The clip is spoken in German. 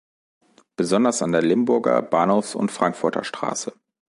Besonders an der Limburger-, Bahnhofs- und Frankfurter Straße.